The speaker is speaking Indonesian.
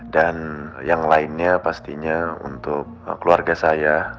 dan yang lainnya pastinya untuk keluarga saya